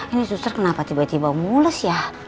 ini suster kenapa tiba tiba mulus ya